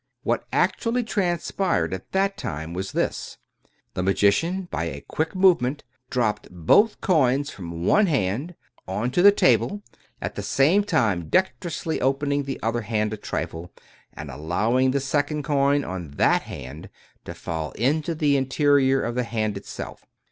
What actually transpired at that time was this: The magician, by a quick movement, dropped both coins from one hand on to the table, at the same time dexterously opening the other hand a trifle, and allowing the second coin, on that hand, to fall into the interior of the hand itself.